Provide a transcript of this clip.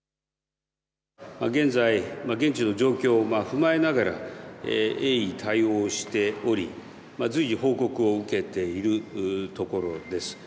現在、現地の状況を踏まえながら鋭意対応しており随時、報告を受けているところです。